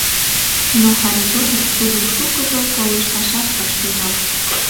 Но Харитонов тудым шукыжо колышташат ыш тӱҥал.